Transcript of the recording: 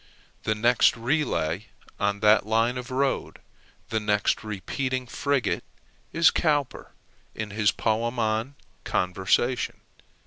The next relay on that line of road, the next repeating frigate, is Cowper in his poem on Conversation.